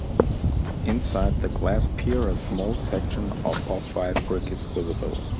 Inside the glass pier a small section of off white brick is visible.